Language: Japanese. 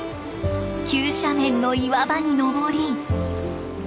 急斜面の岩場に登り。